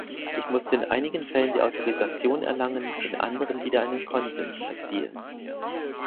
Ich musste in einigen Fällen die Autorisation erlangen, in anderen wieder einen Konsens erzielen.